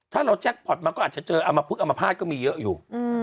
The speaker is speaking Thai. ถ้าเราแจ๊กพอร์ตมาก็อาจจะเจออัมพาสก็มีเยอะอยู่